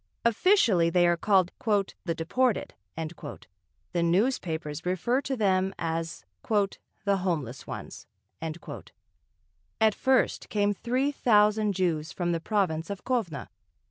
Officially they are called "the deported"; the newspapers refer to them as "the homeless ones." At first came three thousand Jews from the province of Kovno.